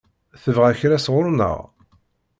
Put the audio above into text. Tebɣa kra sɣur-neɣ?